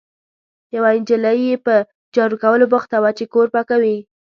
یوه نجلۍ یې په جارو کولو بوخته وه، چې کور پاکوي.